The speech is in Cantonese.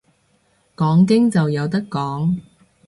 講經就有得講